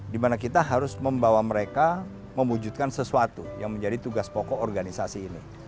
di mana kita harus membawa mereka memwujudkan sesuatu yang menjadi tugas pokok organisasi ini